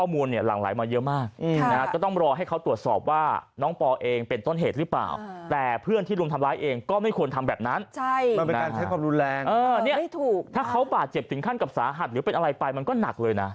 มันเป็นการใช้ความรู้แรงถ้าเขาบาดเจ็บถึงขั้นกับสาหัสหรือเป็นอะไรไปมันก็หนักเลยนะ